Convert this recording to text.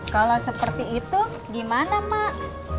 kalau seperti itu gimana mak